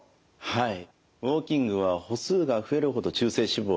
はい。